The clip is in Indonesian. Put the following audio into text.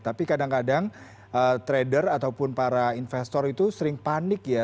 tapi kadang kadang trader ataupun para investor itu sering panik ya